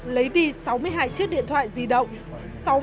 lấy đi sáu mươi hai chiếc điện thoại di động